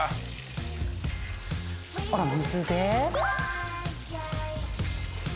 あら水で？